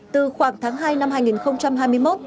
từ khoảng tháng hai năm hai nghìn hai mươi một